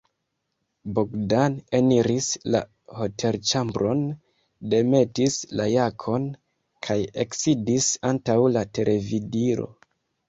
Bogdan eniris la hotelĉambron, demetis la jakon kaj eksidis antaŭ la televidilo.